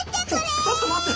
ちょっちょっとまって！